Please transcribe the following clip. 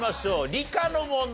理科の問題。